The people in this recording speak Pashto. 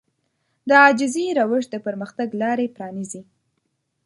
د عاجزي روش د پرمختګ لارې پرانيزي.